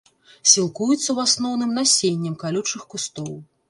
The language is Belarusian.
Сілкуюцца ў асноўным насеннем калючых кустоў.